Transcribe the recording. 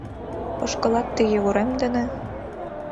— Ошкылат тыге урем дене...